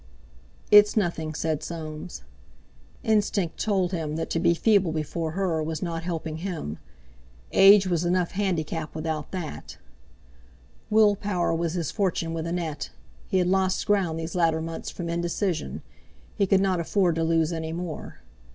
"It's nothing," said Soames. Instinct told him that to be feeble before her was not helping him—age was enough handicap without that. Will power was his fortune with Annette, he had lost ground these latter months from indecision—he could not afford to lose any more.